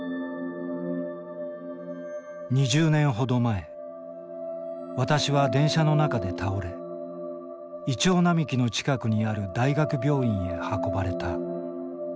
２０年ほど前私は電車の中で倒れ銀杏並木の近くにある大学病院へ運ばれた。